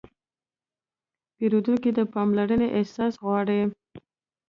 پیرودونکی د پاملرنې احساس غواړي.